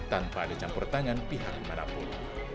tanpa ada campur tangan pihak mana pun